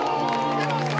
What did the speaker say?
出ました！